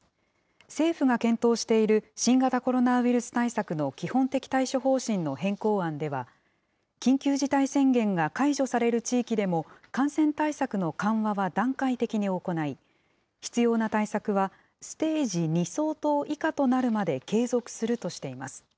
政府が検討している新型コロナウイルス対策の基本的対処方針の変更案では、緊急事態宣言が解除される地域でも、感染対策の緩和は段階的に行い、必要な対策はステージ２相当以下となるまで継続するとしています。